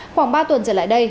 khoảng ba tuần trở lại đây